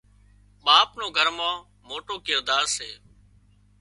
ٻاپ نو گھر مان موٽو ڪردار سي